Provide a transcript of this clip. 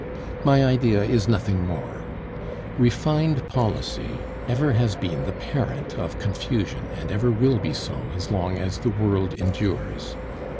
My idea is nothing more. Refined policy ever has been the parent of confusion, and ever will be so, as long as the world endures.